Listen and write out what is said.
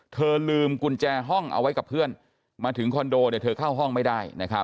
เธอลืมกุญแจห้องเอาไว้กับเพื่อนมาถึงคอนโดเธอเข้าห้องไม่ได้